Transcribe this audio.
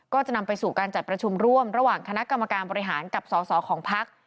ก็จะนำไปสู่การจัดประชุมร่วมระหว่างคณะกรรมการบริหารกับสอสอของพัก